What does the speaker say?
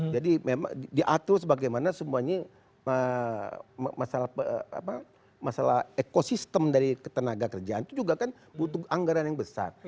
jadi memang diatur sebagaimana semuanya masalah ekosistem dari tenaga kerjaan itu juga kan butuh anggaran yang besar